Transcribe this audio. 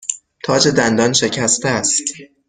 تاج دندان شکسته است.